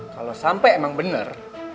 kalau sampe emang bener